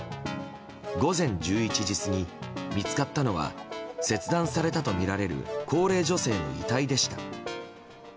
午前１１時過ぎ、見つかったのは切断されたとみられる高齢女性の遺体でした。